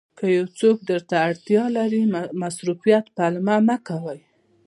که یو څوک درته اړتیا لري مصروفیت پلمه مه کوئ.